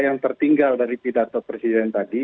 yang tertinggal dari pidato presiden tadi